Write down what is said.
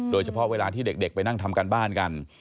เวลาที่เด็กไปนั่งทำการบ้านกัน